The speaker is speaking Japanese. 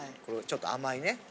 こうちょっと甘いね。